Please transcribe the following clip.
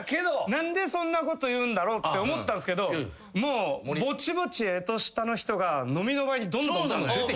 何でそんなこと言うんだろうって思ったんすけどもうぼちぼち干支下の人が飲みの場にどんどん出てきて。